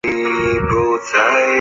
为醛糖的醛基被氧化为羧基而成。